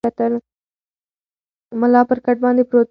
ملا پر کټ باندې پروت دی.